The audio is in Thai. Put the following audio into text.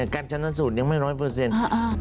การชนะสูตรยังไม่ร้อยเปอร์เซ็นต์